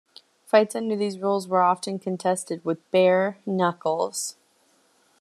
Fights under these rules were often contested with bare knuckles.